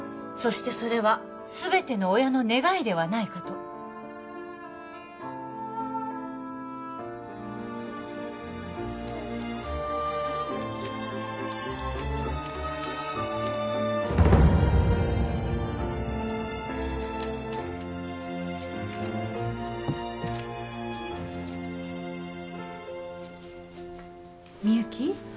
そしてそれはすべての親の願いではないかとみゆき